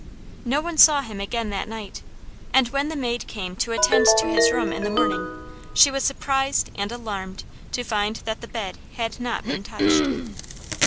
No one saw him again that night, and when the maid came to attend to his room in the morning, she was surprised and alarmed to find that the bed had not been touched.